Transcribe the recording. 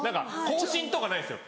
更新とかないんですよ。